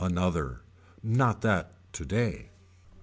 Another. Not that today.